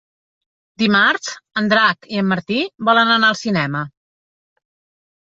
Dimarts en Drac i en Martí volen anar al cinema.